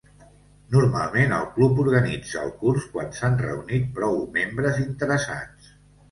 Normalment el club organitza el curs quan s'han reunit prou membres interessats.